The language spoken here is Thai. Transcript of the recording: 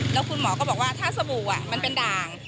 แล้วคุณหมอก็บอกว่าถ้าสบู่มันเป็นด่าง